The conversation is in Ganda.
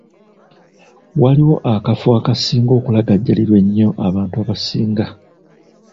Waliwo akafo akasinga okulagajjalirwa ennyo abantu abasinga.